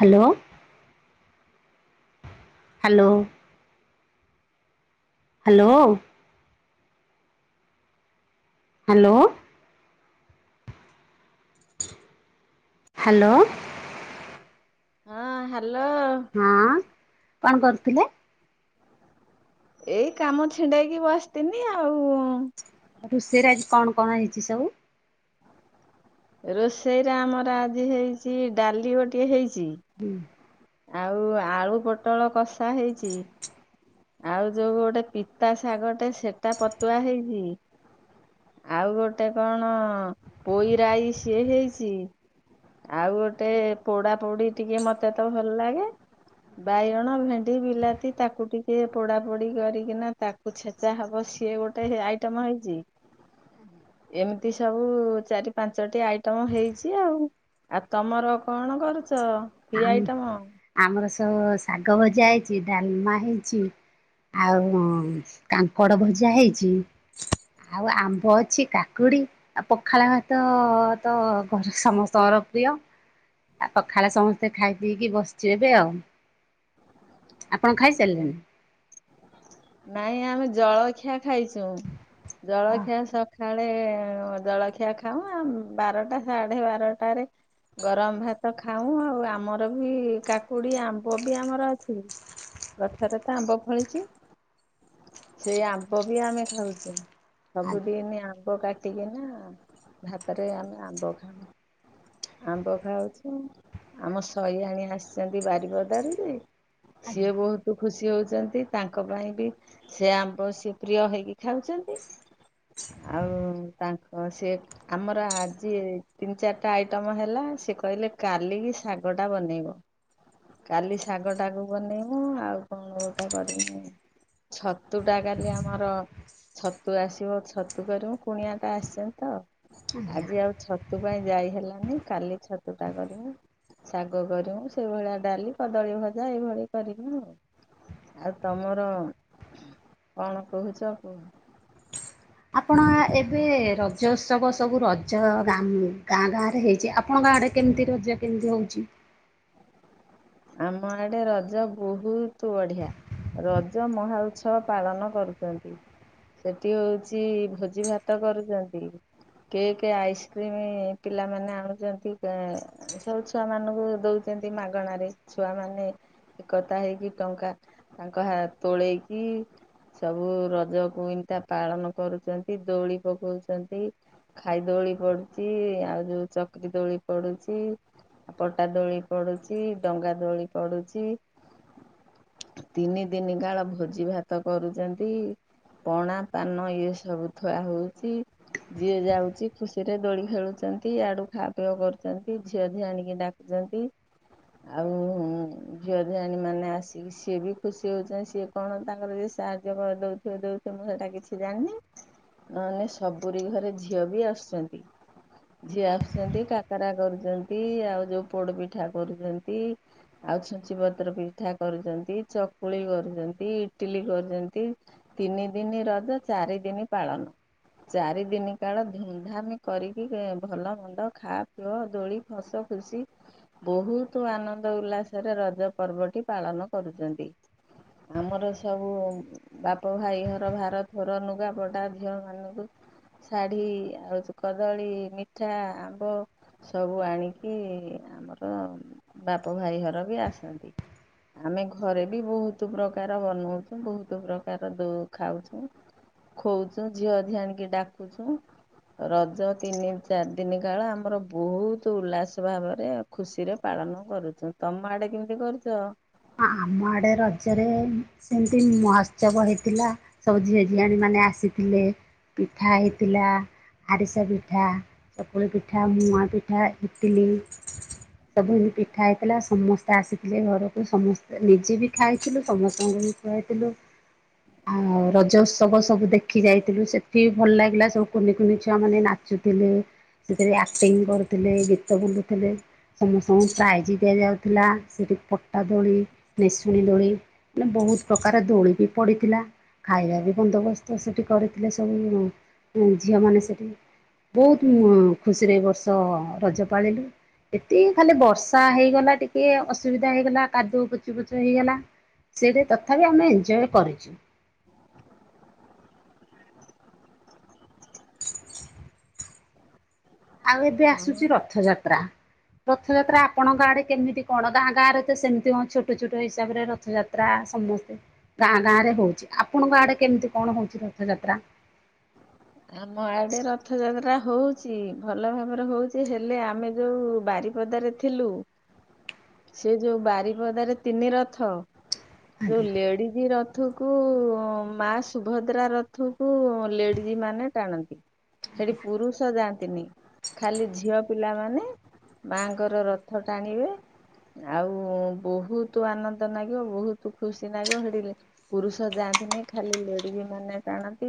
Hello. Hello. Hello. Hello. Hello. ହଁ hello. ହଁ କଣ କରୁଥିଲେ? ଏଇ କାମ ଛିଣ୍ଡେଇକି ବସିଥନି ଆଉ ରୋଷେଇରେ ଆଜି କଣ କଣ ହେଇଛି ସବୁ? ରୋଷେଇରେ ଆମର ଆଜି ହେଇଛି ଡାଲି ଗୋଟିେ ଇଛି ହୁଁ। ଆଉ ଆଳୁ ପୋଟଳ କସା ହେଇଚି ଆଉ ଯୋଉ ଗୋଟେ ପିତା ଶାଗଟେ ସେଟା ପତୁଆ ହେଇଚି ଆଉ ଗୋଟେ କଣ ପୋଇରାଇ ସିଏ ହେଇଚି ଆଉ ଗୋଟେ ପୋଡା ପୋଡି ଟିକେ ମତେ ତ ଭଲ ଲାଗେ ବାଇଗଣ ଭେଣ୍ଡି ବିଲାତି ତାକୁ ଟିକେ ପୋଡା ପୋଡି କରିକିନା ତାକୁ ଛେଚା ହବ ସେ ସିଏ ଗୋଟେ ଆଇଟମ ହେଇଚି ଏମିତି ସବୁ ଚାରି ପାଞ୍ଚଟି ଆଇଟମ ହେଇଚି ଆଉ ଆଉ ତମର କଣ କ ଚ କି ଆମ ଆଇଟମ୍? ଆମର ଶାଗ ଭଜା ହେଇଚି ଡାଲମା ହେଇଚି ଆଉ କାଙ୍କଡ ଭଜା ହେଇଛି। ଆଉ ଆମ୍ବ ଅଛି କାକୁଡି ଆଉ ପଖାଳ ଭାତ ତ ଘର ସମସ୍ତଙ୍କର ପ୍ରିୟ ଆଉ ପଖାଳ ସମସ୍ତେ ଖାଇ ପିଇ କି ବସିଚୁ ଏବେ। ଆପଣ ଖାଇ ସାରିଲେଣି? ନାଇଁ ଆମେ ଜଳଖିଆ ଖାଇଚୁ ଅ ଜଳଖିଆ ସକାଳେ ଜଳଖିଆ ଖାଉ ଆଉ ବାରଟା ସାଢ଼େ ବାରଟାରେ ଗରମ ଭାତ ଖାଉଁ ଆଉ ଆମର ବି କାକୁଡି, ଆମ୍ବ ବି ଆମର ଅଛି। ଗଛରେ ତ ଆମ୍ବ ଫଳିଚି ସେଇ ଆମ୍ୱ ବି ଆମେ ଖାଉଚୁ ଆଜ୍ଞା ସବୁଦିନ୍ ଆମ୍ବ କାଟିକିନା ଭାତ ରେ ଆମେ ଆମ୍ବ ଖାଉ। ଆମ୍ବ ଖାଉଚୁ ଆମ ଶହି ଆଣି ଆସିଛନ୍ତି ବାରିପଦାର ଯେ ସିଏ ଆଜ୍ଞା ବହୁତ ଖୁସି ହୋଉଛନ୍ତି ତାଙ୍କ ପାଇଁ ବି ସେ ଆମ୍ୱ ସିଏ ପ୍ରିୟ ହେଇକି [inaudible] ଆଉ ତାଙ୍କ ସେ ଆମର ଆଜି ତିନି ଚାରିଟା ଆଇ ଉତମ ହେଲା ସେ କହିଲେ କାଲିକି ଶାଗ ଟା ବନେଇବ କାଲି ଶାଗ ଟାକୁ ବନେଇମୁ ଆଉ କଣ ଗୋଟା କରିମୁ ଛତୁ ଟା କାଲି ଆମର ଛତୁ ଆସିବ ଛତୁ କରିବୁ କୁଣିଆ ଟା ଆସିଛନ୍ତି ତ ଆଜ୍ଞା ଆଜି ଆଉ ଛତୁ ପାଇଁ ଯାଇ ହେଲାନି କାଲି ଛତୁ ଟା କରିମୁ। ଶାଗ କରିମୁ ସେଇଭଳିଆ ଡାଲି କଦଳୀ ଭଜା ଏଇଭଳି କରମୁ। ଆଉ ତମର କଣ କହୁଚ କୁ ଆପଣ ଏବେ ରଜ ଉତ୍ସବ ସବୁ ରଜ ଗାଁ ଗାଁ ରେ ହେଇଚି ଆପଣ ଗାଁ କେମିତି ରଜା କେମିତି ହୋଉଚି? ଆମ ଆଡେ ରଜ ବହୁତ ବଢିଆ। ରଜ ମହାଉତ୍ସବ ପାଳନ କରୁଚନ୍ତି। ସେଠି ହୋଉଚି ଭୋଜି ଭାତ କରୁଛନ୍ତି। କେକ୍ ଆଇସ୍କ୍ରିମ ପିଲାମାନେ ଆଣୁଚନ୍ତି ସବୁ ଛୁଆ ମାନଙ୍କୁ ଦୋଉଚ ମାଗଣାରେ ଛୁଆ ମାନେ ଏକତା ହେଇକି ଟଙ୍କା ତାଙ୍କ ହା ତୋଳେଇକି ସବୁ ରଜ କୁଇତା ପାଳନ କରୁଚନ୍ତି ଦୋଳି ପକୋଉଚନ୍ତି ଖାଇ ଦୋଳି ତୋଳି ପଡୁଛି, ଆଉ ଯୋଉ ଚକରିି ତୋଳି ପଡୁଛି ଆଉ ପଟା ଦୋଳି ପଡୁଛି ଡଙ୍ଗା ଦୋଳି ପଡୁଛି ତିନି ଦିନ କାଳ ଭୋଜି ଭାତ କରୁଛନ୍ତି ପଣା ପାନ ଇଏ ସବୁ ଥୁଆ ହଉଚ ଯିଏ ଯାଉଛି, ଖୁସି ରେ ଦୋଳି ଖେଳୁଛନ୍ତି, ଆଡୁ ଖାଆ ପିଆ କରୁଛନ୍ତି, ଝିଅ ଝି ଆଣିକି ଡାକୁଛନ୍ତି ହ ଆଉ ଝିଅ ଜିଣୀ ମାନେ ଆସିକି ସିଏ ବି ଖୁସି ହଉଛନ୍ତି, ସିଏ କଣ ତାଙ୍କର ଯଏ ସାହାଯ୍ୟ କରି ଦଉଥିବଉ ମୁଁ ସେଟା କିଛି ଜାଣିନି ନାନେ ସବୁରି ଘରେ ଝିଅ ବି ଆସୁଛନ୍ତି ଝିଏ ଆସୁଛନ୍ତି କାକରା କରୁଛନ୍ତି, ଆଉ ଯୋଉ ପୋଡ ପିଠା କରୁଛନ୍ତି ଆଉ ଛୁଚି ପତ୍ର ପିଠା କରୁଛନ୍ତି, ଚକୁଳି କରୁଛନ୍ତି ଇଟିଲି କରୁଛନ୍ତି ତିନି ଦିନ ରଜ ଚାରି ଦିନ ପାଳନ ଚାରି ଦିନ କାଳ ଧୁମଧାମ କରିକି ଭଲ ମନ୍ଦ ଖା ପିଅ ଦୋଳି ଫସ ସି ବହୁତ ବତୁ ଆନନ୍ଦ ଉଲ୍ଲାସରେ ରଜ ପର୍ବଟି ପାଳନ କରୁଛନ୍ତି। ଆମର ସବୁ ବାପ ଭାଇ ଘର ଭାର ଥର ଲୁଗା ବଡା ଝିଅ ମାନଙ୍କୁ ଶାଢ଼ୀ ଆଉ କଦଳୀ ମିଠା ଆମ୍ବ ସବୁ ଆଣିକି ଆମର ବାପ ଭାଇ ଘର ବି ଆସନ୍ତି। ଆମେ ଘରେ ବି ବହୁତ ପ୍ରକାର ବନଉଛୁ ବହୁତ ପ୍ରକାର ଖାଉଛୁ ଖୋଉଛୁ ଝିଅ ଆଣିକି ଡାକୁଛୁ ରଜ ତିନି ଚାରି ଦିନ କାଳ ଆମର ବହୁତ ଉଲ୍ଲାସ ଭାବରେ ଖୁସିରେ ପାଳନ କରୁଛୁ ତମ ଆଡେ କେମିତି କରୁଛ? ଆମ ଆଡେ ରଜରେ ସେମତି ମହୋତ୍ସବ ହେଇଥିଲା, ସବୁ ଝିଅ ଝିଅ ଆଣ ମାନେ ମାନେ ଆସିଥିଲେ ପିଠା ହେଇଥିଲା ଆରିସା ପିଠା ଚପଳ ପିଠା, ମୁଆ ପିଠା, ଇଟଲି ସବୁିତି ପିଠା ହେଇଥିଲା ସମସ୍ତେ ଆସିଥିଲେ ଘରକୁ ସମସ୍ତେ ନିଜେ ବି ଖାଇଥିଲୁ, ସମସ୍ତଙ୍କୁ ବି ଖୁଆଇଥିଲୁ ଆଉ ରଜ ଉତ୍ସବ ସବୁ ଦେଖି ଯାଇଥିଲୁ ସେଠି ଭଲ ଲାଗିଲା, ସବୁ କୁନି କୁନି ଛୁଆ ମାନେ ନାଚୁଥିଲେ ସେଥିରେ ଆକ୍ଟିଂ କରୁଥିଲେ ଗୀତ ବୁଲୁଥିଲେ ସମସ୍ତଙ୍କୁ ପ୍ରାଇଜ ଦିଆଯାଉଥିଲା ସେଠି ଆଟା ଦୋଳି ନେସୁଣୀ ଦୋଳି ମାନେ ବହୁତ ପ୍ରକାର ଦୋଳି ବି ପଡ଼ିଥିଲା ଖାଇବା ବି ବନ୍ଦୋବସ୍ତ ସେଠି କରିଥିଲେ, ସବୁ ଝିଅମାନେ ସେଠି ବହୁତ ମୁଁ ଖୁସିରେ ଏ ବର୍ଷ ରଜ ପାଳିଲୁ ଏତି ଖାଲି ବର୍ଷା ହେଇଗଲା ଟିକେ ଅସୁବିଧା ହେଇଗଲା କାଦୁଅ ପଚି ପଚ ହେଇଗଲା ସେଇଟ ତଥାପି ଆମେ ଏଜ କରିଚୁ ଆଉ ଏବେ ହଁ ଆସୁଛି, ରଥଯାତ୍ରା ରଥଯାତ୍ରା ଆପଣଙ୍କ ଆଡେ କେମିତି କଣ ଗାଁ ଗାଁରେ ତ ସେମିତି କ ଛୋଟ ଛୋଟ ହିସାବ ରେ ରଥଯାତ୍ରା ସମସ୍ତେ ଗାଁ ଗାଁ ରେ ହଉଚି, ଆପଣଙ୍କ ଆଡେ କେମିତି କଣ ହଉଛି ରଥଯାତ୍ରା? ଆମ ଆଡେ ରଥଯାତ୍ରା ହଉଚି, ଭଲ ଭାବରେ ହଉଚି ହେଲେ ଆମେ ଯୋଉ ବାରି ବାରିପଦା ରେ ଥିଲୁ ସେ ଯୋଉ ବାରିପଦାରେ ତିନି ରଥ ଯୋଉ ଆଜ୍ଞା ଲେଡିଜ୍ ର ରଥକୁ ମା ସୁଭଦ୍ରା ରଥକୁ ଲେଡ଼ିଜ ମାନେ ଟାଣନ୍ତି ସେଠି ପୁରୁଷ ଯାଆନ୍ତିନି, ଖାଲି ଝିଅ ପିଲାମାନେ ମାଙ୍କର ରଥ ଟାଣିବେ ଆଉ ବହୁତ ଆନନ୍ଦ ଲାଗିବ ବହୁତ ଖୁସି ଲାଗିବ ହେଡିଲ ପୁରୁଷ ଜା ଖାଲି ଲେଡି ମାନେ ଟାଣନ୍ତି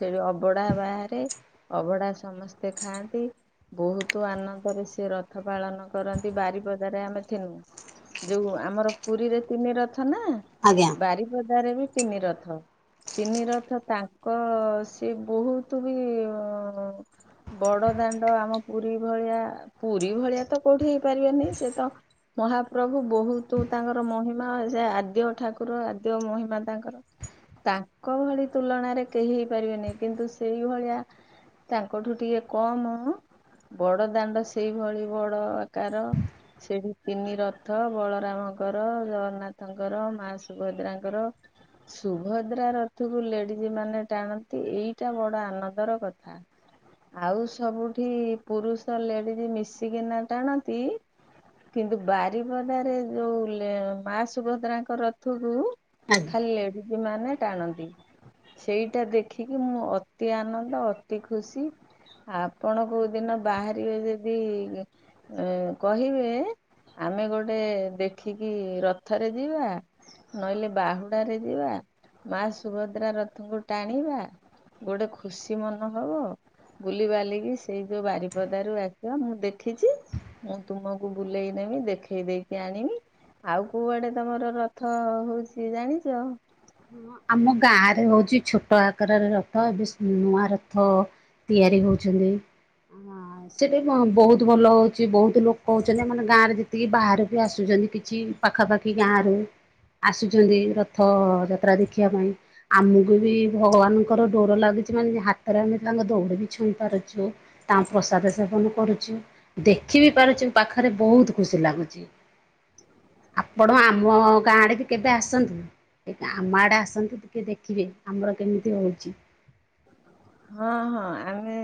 ସେଠି ଅବଢା ବାହାରେ, ଅବଢା ସମସ୍ତେ ଖାଆନ୍ତି ବହୁତ ଆନନ୍ଦରେ ସେ ରଥ ପାଳନ କରନ୍ତି, ବାରିପଜାରେ ଆମେ ଥିନୁ ଯୋଉ ଆମର ପୁରୀରେ ତିନି ର ରଥ ନା ଆଜ୍ଞା। ବାରିପଦାରେ ବି ତିନି ରଥ, ତିନି ରଥ ତାଙ୍କ ସେ ବହୁତ ବି ବଡ ଦାଣ୍ଡ ଆମ ପୁରୀ ଭଳିଆ ପୁରୀ ଭଳିଆ ତ କୋଉଠି ହେଇପାରିବନି ସେ ତ ମହାପ୍ରଭୁ ବହୁତ ତାଙ୍କର ମହିମା ସେ ଆଦ୍ୟ ଠାକୁର ଆଦ୍ୟ ମହିମା ତାଙ୍କର। ତାଙ୍କ ଭଳି ତୁଳନାରେ କେହି ପାରିବେନି, କିନ୍ତୁ ସେଇଭଳିଆ ତାଙ୍କଠୁ ଟିକେ କମ ବଡ ଦାଣ୍ଡ ସେଇଭଳି ବଡ ଆକାର। ସେଠି ତିନି ରଥ ବଳରାମଙ୍କର, ଜଗନ୍ନାଥଙ୍କର, ମା ସୁଭଦ୍ରାଙ୍କର। ସୁଭଦ୍ରା ରଥକୁ ଲେଡିଜ ମାନେ ଟାଣନ୍ତି। ଏଇଟା ବଡ ଆନନ୍ଦର କଥା। ଆଉ ସବୁଠି ପୁରୁଷ ଲେଡିଜ ମିଶିକି ନା ଟାଣନ୍ତି। କିନ୍ତୁ ବାରିପଦାରେ ଯୋଉ ମା ସୁଭଦ୍ରାଙ୍କ ରଥକୁ ଖାଲି ଲେଢିଜ ମାନେ ଟାଣନ୍ତି, ସେଇଟା ଦେଖ ଖିକି ମୁଁ ଅତି ଆନନ୍ଦ ଅତି ଖୁସି। ଆପଣ କୋଉ ଦିନ ବାହାରିବେ ଯଦି ଏନ୍ କହିବେ। ଆମେ ଗୋଟେ ଦେଖିକି ରଥରେ ଯିବା, ନହେଲେ ବାହୁଡାରେ ଯିବା। ମା ସୁଭଦ୍ରା ରଥଙ୍କୁ ଟାଣିବା ଗୋଟେ ଖୁସି ମନ ହବ। ବୁଲି ବାଲିକି ସେଇ ଯୋଉ ବାରିପଦାରୁ ଆସିବା ମୁଁ ଦେଖିଚି ମୁଁ ତୁମକୁ ବୁଲେଇ ନ ଇ ଦେଖେଇ ଦେଇକି ଆଣିବି ଆଉ କୋଉଆଡେ ତମର ରଥ ହଉଚି ଜାଣିଚ? ହଁ ଆମ ଗାଁ ରେ ହଉଚି ଛୋଟ ଆକାରରେ ରଥ, ଏବେ ନୂଆ ରଥ ତିଆରି ତିଆରି ହଉଚନ୍ତି। ସେଟା ବହୁତ ଭଲ ହଉଚି, ବହୁତ ଲୋକ ହଉଚନ୍ତି ଆମର ଗାଁ ରେ ଯେତିକି ବାହାରରୁ ବି ଆସୁଛନ୍ତି କିଛି ପାଖାପାଖି ଗାଁ ର ଆସୁଚନ୍ତି ରଥ ଯାତ୍ରା ଦେଖିବା ପାଇଁ। ଆମକୁ ବି ଭଗବାନଙ୍କର ଡୋର ଲାଗୁଚି ମାନେ ହାତରେ ଆମେ ତାଙ୍କ ଦୌଡ ବି ଛ ଇ ପାରୁଚୁ, ତାଙ୍କ ପ୍ରସାଦ ସେବନ କରୁଚୁ, ଦେଖି ବି ପାରୁଚୁ, ପାଖରେ ବହୁତ ଖୁସି ଲ ଲାଗୁଚି ଆପଣ ଆମ ଗାଁରେ ବି କେବେ ଆସନ୍ତୁ? ଆମ ଆଡେ ଆସନ୍ତୁ ଟିକେ ଦେଖିବେ ଆମର କେମିତି ହଉଚି। ହଁ ହଁ ଆମେ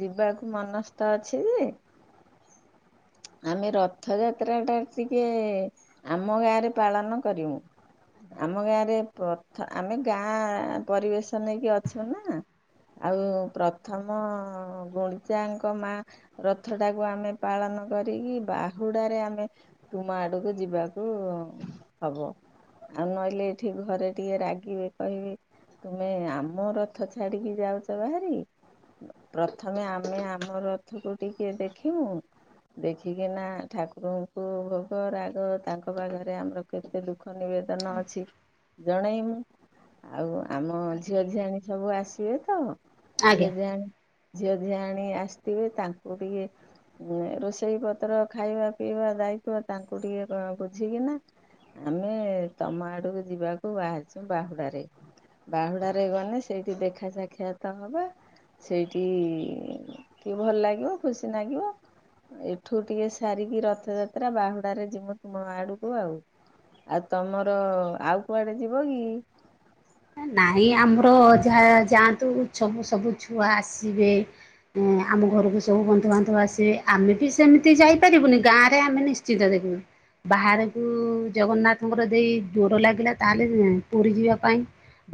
ଯିବାକୁ ମନସ୍ଥ ଅଛି ଯେ ଆମେ ରଥ ଯାତ୍ରା ଟା ଟିକେ ଆମ ଗାଁ ରେ ପାଳନ କରିବୁ। ଆମ ଗାଁରେ ପ୍ରଥ ଆମେ ଗାଁ ପରିବେଶ ନେଇକି ଅଛୁ ନା। ଆଉ ପ୍ରଥମ ଗୁଣ୍ଡିଜାଙ୍କ ମା ରଥଟାକୁ ଆମେ ପାଳନ କରିକି ବାହୁଡାରେ ଆମେ ତୁମ ଆଡକୁ ଯିବାକୁ ହବ। ଆଉ ନହେଲେ ଏଇଠି ଘରେ ଟିକେ ରାଗିବେ କହିବେ ତୁମେ ଆମ ରଥ ଛାଡିକି ଯାଉଚ ବାହାରି? ପ୍ରଥମେ ଆମେ ଆମ ରଥକୁ ଟିକେ ଦେଖିବୁଁ ଦେଖିକିନା ଠାକୁରଙ୍କୁ ଭୋଗ ରାଗ ତାଙ୍କ ପାଖରେ ଆମର କେତେ ଦୁଃଖ ନିଇକି ନ ଅଛି ଜଣେଇମୁ। ଆଉ ଆମ ଝିଅଝିଆଣି ସବୁ ଆସିବେ ତ ଆଜ୍ଞା। ଝିଅ ଝିଆଣି ଝିଅ ଝିଆଣି ଆସିଥିବେ ତାଙ୍କୁ ଟିକେ ହୁଁ ରୋଷେଇ ସେଇ ପତ୍ର ଖାଇବା ପିଇବା ଦାୟିତ୍ଵ ତାଙ୍କୁ ଟିକେ କ କ ବୁଝିକିନା ଆମେ ତମ ଆଡକୁ ଯିବାକୁ ବାହାରିଚୁ ବାହୁଡାରେ। ବାହୁଡାରେ ଗନେ ସେଇଠି ଦେଖା ସାକ୍ଷାତ ହବା। ସେଇଠି ଟିକେ ଭଲ ଲାଗିବ ଖୁସି ନାଗିବ। ଏଠୁ ଟିକେ ସାରିକି ରଥଯାତ୍ରା ବାହୁଡାରେ ଯିମୁ ତୁମ ଆଡକୁ ଆଉ। ଆଉ ତମର ଆଉ କୁଆଡେ ଯିବ କି? ନାଇଁ ଆମର ଯାହା ଯାଆନ୍ତୁ ଛବୁ ସବୁ ଛୁଆ ଆସିବେ ଏଁ ଆମ ଘରକୁ ସବୁ ବନ୍ଧୁ ବାନ୍ଧବ ଆସିବେ, ଆମେ ବି ସେମିତି ଯାଇପାରିବୁନି ଗାଁ ରେ ଆମେ ନିଶ୍ଚିିତ ଦେଖିବୁ। ବାହାରକୁ ଜଗନ୍ନାଥଙ୍କର ଦେଇ ଡୋର ଲାଗିଲା ତାହେଲେ ପୁରୀ ଯିବା ପାଇଁ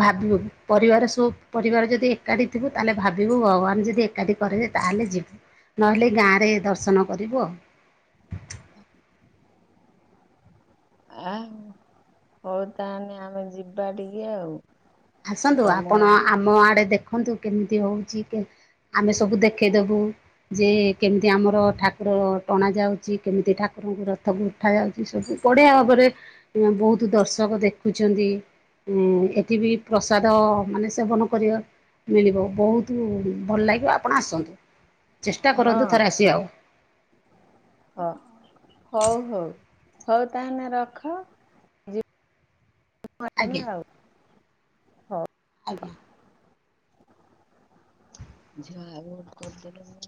ଭାବିବୁ ପରିବାର ସୋ ପରିବାର ଯଦି ଏକାଠି ଥିବୁ ତାହେଲେ ଭାବିବୁ ଭଗବାନ ଯଦି ଏକାଠି କରେଇବେ ତାହେଲେ ଯିବୁ। ନହେଲେ ଗାଁରେ ଦର୍ଶନ କରିବୁ ଆଉ। ଆ ହଉ ତାହାନେ ଆମେ ଯିବା ଟିକେ ଆଉ। ଆସନ୍ତୁ ତମ ଆପଣ ଆଡେ ଆମ ଆଡେ ଦେଖନ୍ତୁ କେମିତି ହଉଛି କେ ଆମେ ସବୁ ଦେଖେଇଦବୁ ଯେ କେମିତି ଆମର ଠାକୁର ଟଣା ଯାଉଛି କେମିତି ଠାକୁର ରଥକୁ ଉଠା ଯାଉଛି ସବୁ ବଢିଆ ଭାବରେ ବହୁତ ଦର୍ଶକ ଦେଖୁଛନ୍ତି। ଉଁ ଏଠି ବିି ପ୍ରସାଦ ମାନେ ସେବନ କରିବା ମିଳିବ ବହୁତ ଭଲ ଲାଗିବ ଆପଣ ଆସନ୍ତୁ। ଚେଷ୍ଟା କରନ୍ତୁ ହଁ ଥରେ ଆସିବାକୁ ହ ହଉ ହଉ। ହଉ ତାହାନେ ରଖ। ଆମ ଆଜ୍ଞା ଆଉ ହଉ ଆଜ୍ଞା। ହ। ଝା ବନ୍ଦ କଦଲେ ମୁ